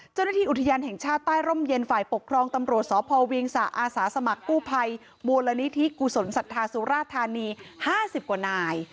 เจ้าหน้าที่อุทยานแห่งชาติใต้ร่มเย็นฝ่ายปกครองตำรวจสพเวียงสะอาสาสมัครกู้ภัยมูลนิธิกุศลศรัทธาสุราธานี๕๐กว่านาย